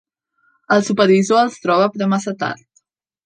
El supervisor els troba però massa tard.